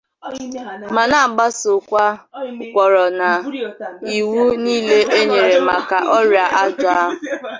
ma na-agbasokwa ụkpụrụ na iwu niile e nyere maka ọrịa ọjọọ ahụ